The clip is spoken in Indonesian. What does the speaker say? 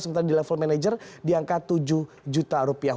sementara di level manager di angka tujuh juta rupiah